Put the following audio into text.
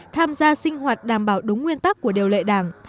tham gia sinh hoạt đảm bảo đúng nguyên tắc của điều lệ đảng